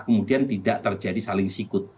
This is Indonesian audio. kemudian tidak terjadi saling sikut